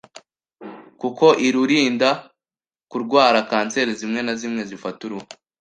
Kuko irurinda kurwara kanseri zimwe na zimwe zifata uruhu